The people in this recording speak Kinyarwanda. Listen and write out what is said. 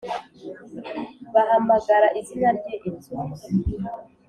bahamagara izina rye inzu